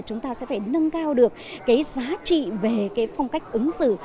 chúng ta sẽ phải nâng cao được cái giá trị về cái phong cách ứng xử